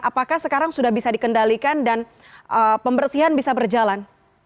apakah sekarang sudah bisa dikendalikan dan pembersihan bisa berjalan